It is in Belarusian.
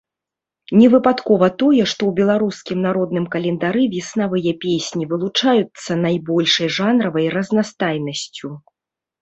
Невыпадкова тое, што ў беларускім народным календары веснавыя песні вылучаюцца найбольшай жанравай разнастайнасцю.